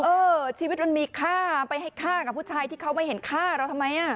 เออชีวิตมันมีค่าไปให้ฆ่ากับผู้ชายที่เขาไม่เห็นฆ่าเราทำไม